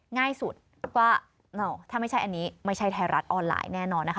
ง่ายสุดว่าถ้าไม่ใช่อันนี้ไม่ใช่ไทยรัฐออนไลน์แน่นอนนะคะ